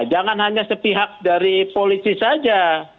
jangan hanya sepihak dari polisi saja